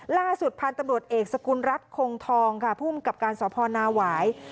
ล่าสุดพันธุ์ตำรวจเอกสกุลรัฐคงทองค่ะภูมิกับการสพนาหวาย